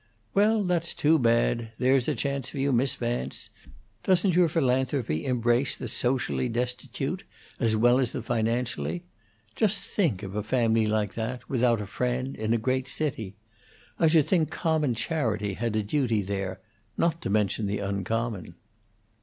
"Well, that's too bad. There's a chance for you, Miss Vance. Doesn't your philanthropy embrace the socially destitute as well as the financially? Just think of a family like that, without a friend, in a great city! I should think common charity had a duty there not to mention the uncommon."